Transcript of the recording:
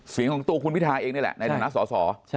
เสียงของตัวคุณพิทาเองนี่แหละในฐานะสอสอ